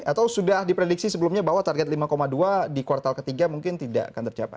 atau sudah diprediksi sebelumnya bahwa target lima dua di kuartal ketiga mungkin tidak akan tercapai